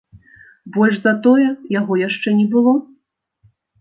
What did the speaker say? Больш за тое, яго яшчэ не было.